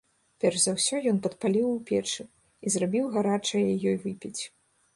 Перш за ўсё ён падпаліў у печы і зрабіў гарачае ёй выпіць.